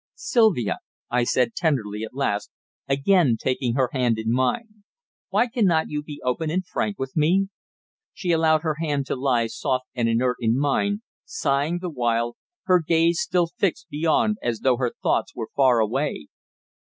"Sylvia," I said tenderly at last, again taking her hand in mine, "why cannot you be open and frank with me?" She allowed her hand to lie soft and inert in mine, sighing the while, her gaze still fixed beyond as though her thoughts were far away.